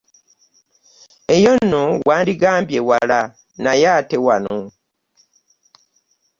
Eyo nno wandigambye wala naye ate wano!